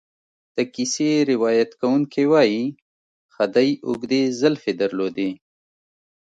د کیسې روایت کوونکی وایي خدۍ اوږدې زلفې درلودې.